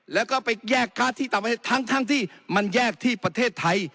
แล้วก็ไปแยกค้าที่ต่างประเทศทั้งที่มันแยกที่ประเทศไทย